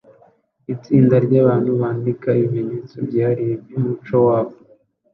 Itsinda ryabantu bandika ibimenyetso byihariye byumuco wabo